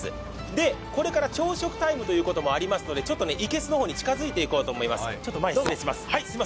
で、これから朝食タイムということもあるのでいけすの方に近づいていこうと思います。